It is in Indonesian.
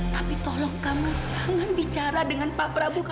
tapi tolong kamu jangan bicara dengan pak prabowo